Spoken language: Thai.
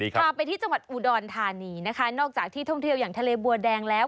พาไปที่จังหวัดอุดรธานีนะคะนอกจากที่ท่องเที่ยวอย่างทะเลบัวแดงแล้ว